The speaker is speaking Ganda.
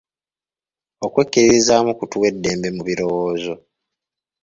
Okwekkiririzaamu kutuwa eddembe mu birowoozo.